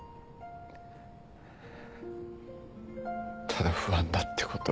ただ不安だってこと。